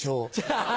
ハハハ！